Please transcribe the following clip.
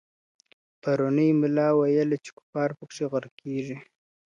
پروني ملا ویله چي کفار پکښي غرقیږي.